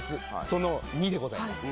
その２でございます